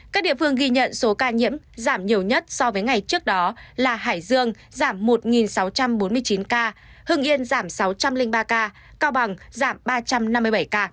các địa phương ghi nhận số ca nhiễm giảm nhiều nhất so với ngày trước đó là hải dương giảm một sáu trăm bốn mươi chín ca hưng yên giảm sáu trăm linh ba ca cao bằng giảm ba trăm năm mươi bảy ca